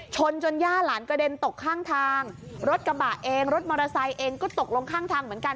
ชนจนย่าหลานกระเด็นตกข้างทางรถกระบะเองรถมอเตอร์ไซค์เองก็ตกลงข้างทางเหมือนกัน